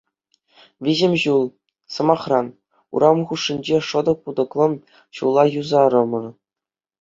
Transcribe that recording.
Виҫӗм ҫул, сӑмахран, урам хушшинчи шӑтӑк-путӑклӑ ҫула юсарӑмӑр.